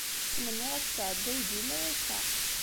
Ttmenniɣ ad tettɛedday dima akka.